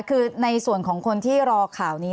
คือในส่วนของคนที่รอข่าวนี้